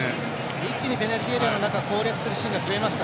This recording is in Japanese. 一気にペナルティーエリアの中を攻略するシーンが増えました。